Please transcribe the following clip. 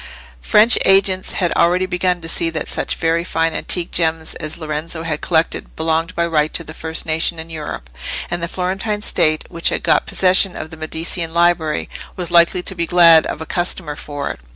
French agents had already begun to see that such very fine antique gems as Lorenzo had collected belonged by right to the first nation in Europe; and the Florentine State, which had got possession of the Medicean library, was likely to be glad of a customer for it.